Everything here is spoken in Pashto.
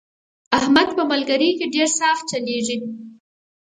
احمد په ملګرۍ کې ډېر صاف چلېږي.